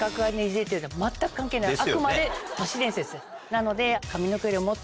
なので。